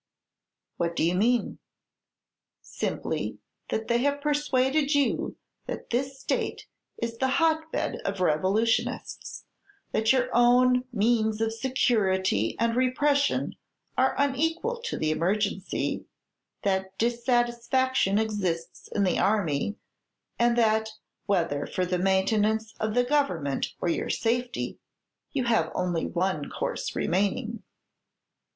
"What do you mean?" "Simply, that they have persuaded you that this state is the hotbed of revolutionists; that your own means of security and repression are unequal to the emergency; that disaffection exists in the army; and that, whether for the maintenance of the Government or your safety, you have only one course remaining."